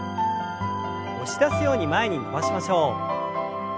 押し出すように前に伸ばしましょう。